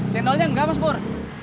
cendolnya enggak mas pur